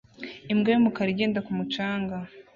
Imbwa y'umukara igenda ku mucanga